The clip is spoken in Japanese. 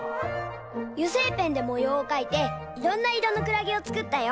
ゆせいペンでもようをかいていろんないろのくらげをつくったよ！